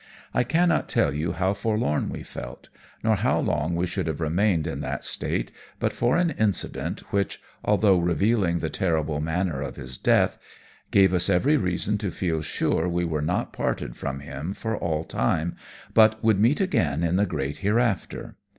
I cannot tell you how forlorn we felt, nor how long we should have remained in that state but for an incident which, although revealing the terrible manner of his death, gave us every reason to feel sure we were not parted from him for all time, but would meet again in the great hereafter.